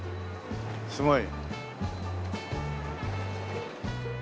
すごい。